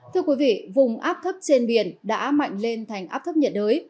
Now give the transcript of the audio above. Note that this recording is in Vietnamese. thưa quý vị vùng áp thấp trên biển đã mạnh lên thành áp thấp nhiệt đới